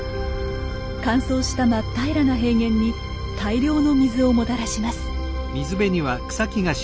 乾燥した真っ平らな平原に大量の水をもたらします。